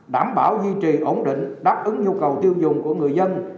đảm bảo duy trì ổn định đáp ứng nhu cầu tiêu dùng của người dân